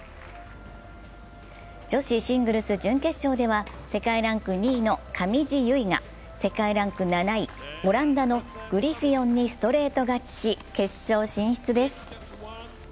女子シングルス準決勝では世界ランク２位の上地結衣が世界ランク７位、オランダのグリフィオンにストレート勝ちし、決勝進出です。